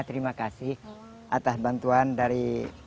terima kasih atas bantuan dari